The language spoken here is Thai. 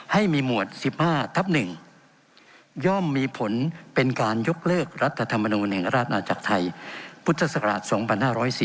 ให้มีหมวด๑๕ทับ๑ย่อมมีผลเป็นการยกเลิกรัฐธรรมนูลแห่งราชนาจักรไทยพุทธศักราช๒๕๔๔